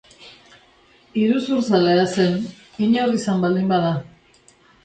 Iruzurzalea zen, inor izan baldin bada.